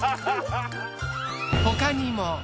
他にも。